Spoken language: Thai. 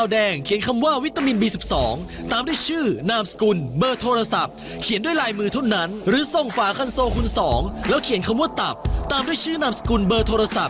ยังไงเดี๋ยวเราจะยกขบวนไปแจกร้านถึงที่บ้านเลยนะครับ